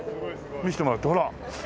見せてもらってほら。